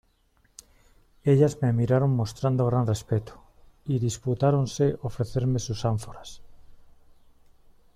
ellas me miraron mostrando gran respeto, y disputáronse ofrecerme sus ánforas